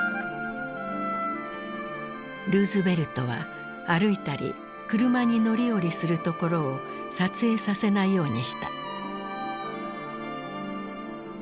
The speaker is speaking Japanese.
ルーズベルトは歩いたり車に乗り降りするところを撮影させないようにした。